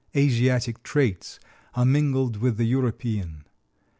Asiatic traits are mingled with the European.